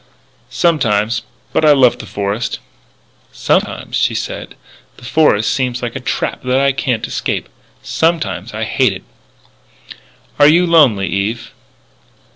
"Sometimes. But I love the forest." "Sometimes," she said, "the forest seems like a trap that I can't escape. Sometimes I hate it." "Are you lonely, Eve?"